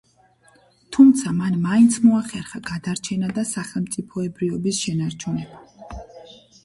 თუმცა მან მაინც მოახერხა გადარჩენა და სახელმწიფოებრიობის შენარჩუნება?